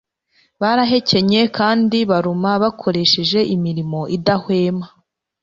Barahekenye kandi baruma bakoresheje imirimo idahwema